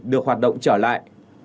được hoạt động trở lại